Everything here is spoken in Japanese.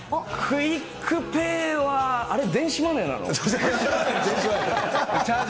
クイックペイは、あれ、電子マネーなの？